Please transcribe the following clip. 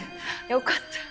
よかった。